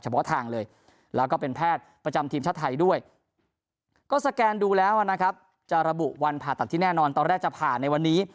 เพาะทางเลยแล้วก็เป็นแพทย์ประจำทีมชาติไทยด้วยก็สแกนดูแล้วนะครับจะระบุวันผ่าตัดที่แน่นอนตอนแรกจะผ่าในวันนี้